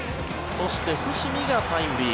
そして、伏見がタイムリー。